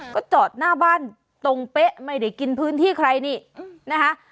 ก็จอดหน้าบ้านตรงเป๊ะไม่ได้กินพื้นที่ใครนี่นะคะ